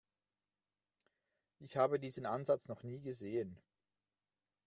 Ich habe diesen Ansatz noch nie gesehen.